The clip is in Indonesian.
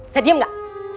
saya diem gak